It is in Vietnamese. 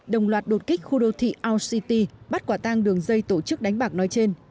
đồng loạt đột kích khu đô thị our city bắt quả tang đường dây tổ chức đánh bạc nói trên